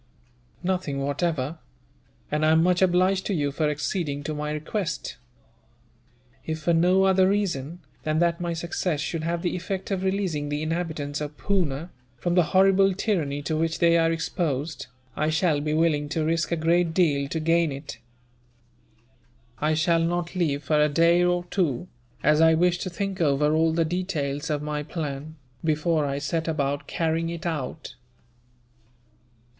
"Nothing, whatever; and I am much obliged to you for acceding to my request. If for no other reason than that my success should have the effect of releasing the inhabitants of Poona, from the horrible tyranny to which they are exposed, I shall be willing to risk a great deal to gain it. "I shall not leave for a day or two, as I wish to think over all the details of my plan, before I set about carrying it out."